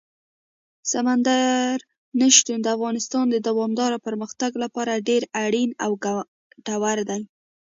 سمندر نه شتون د افغانستان د دوامداره پرمختګ لپاره ډېر اړین او ګټور دی.